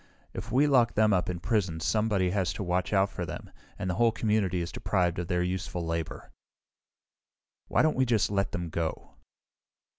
If we lock them up in prison somebody has to watch out for them, and the whole community is deprived of their useful labor. "Why don't we just let them go?"